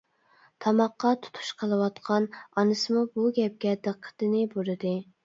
تاماققا تۇتۇش قىلىۋاتقان ئانىسىمۇ بۇ گەپكە دىققىتىنى بۇرىدى.